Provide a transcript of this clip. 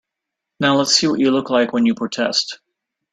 Now let's see what you look like when you protest.